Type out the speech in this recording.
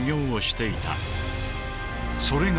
それが。